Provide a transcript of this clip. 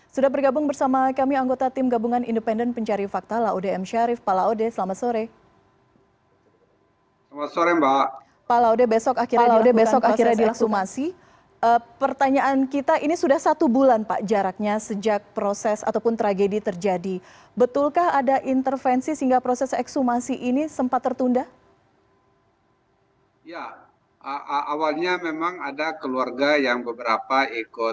sudah bergabung bersama kami anggota tim gabungan independen pencari fakta laude m sharif